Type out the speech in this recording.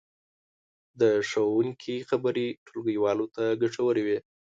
د ښوونکي خبرې ټولګیوالو ته ګټورې وې.